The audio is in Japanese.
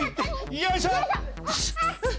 よいしょ！